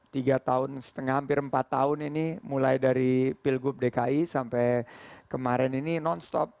tiga tahun setengah hampir empat tahun ini mulai dari pilgub dki sampai kemarin ini non stop